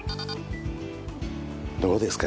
どうですか？